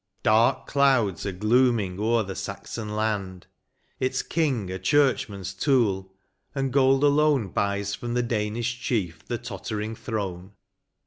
Dare clouds are glooming o'er the Saxon land, Its King a churchman's tool, and gold alone Buys from the Danish chief the tottering throne.